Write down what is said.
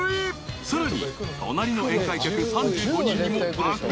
［さらに隣の宴会客３５人にも爆おごり］